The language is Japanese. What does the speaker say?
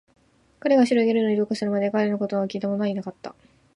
彼が白いゲルに同化するまで、彼の言葉を聞いたものはいなかった